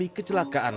dan menyusuri tujuh km